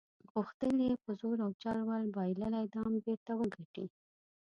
غوښتل یې په زور او چل ول بایللي بادام بیرته وګټي.